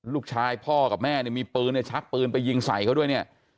พ่อกับแม่เนี่ยมีปืนเนี่ยชักปืนไปยิงใส่เขาด้วยเนี่ย